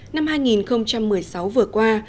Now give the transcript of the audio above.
năm hai nghìn một mươi sáu vừa qua